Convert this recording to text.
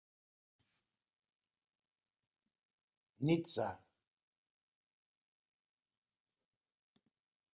Nizza?